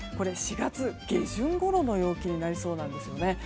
４月下旬ごろの陽気になりそうなんですね。